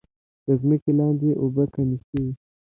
د ځمکې لاندې اوبه کمې شوي؟